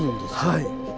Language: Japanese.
はい。